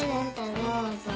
どうぞ。